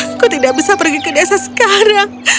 engkau tidak bisa pergi ke desa sekarang